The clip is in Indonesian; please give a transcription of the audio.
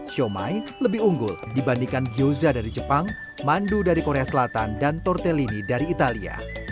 siomay lebih unggul dibandingkan gyoza dari jepang mandu dari korea selatan dan tortellini dari italia